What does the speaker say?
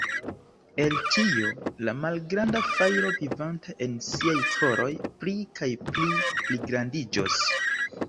El tio, la malgranda fajro vivanta en siaj koroj pli kaj pli pligrandiĝos.